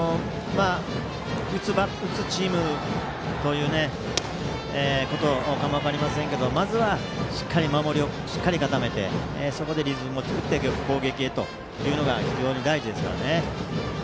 打つチームということかも分かりませんけどまずはしっかり守りを固めてそこでリズムを作って攻撃へというのが非常に大事です。